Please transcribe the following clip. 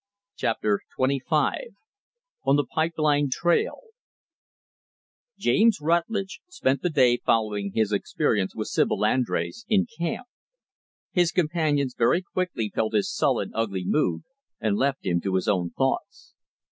Chapter XXV On the Pipe Line Trail James Rutlidge spent the day following his experience with Sibyl Andrés, in camp. His companions very quickly felt his sullen, ugly mood, and left him to his own thoughts.